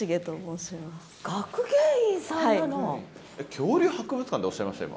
恐竜博物館っておっしゃいました？